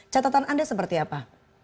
catatan anda seperti apa